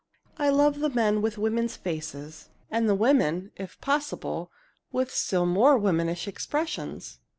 I love the men with women's faces and the women, if possible, with still more womanish expressions.